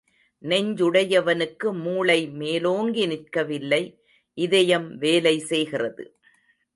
நெஞ்சுடையவனுக்கு மூளை மேலோங்கி நிற்கவில்லை இதயம் வேலை செய்கிறது.